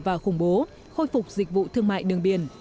và khủng bố khôi phục dịch vụ thương mại đường biển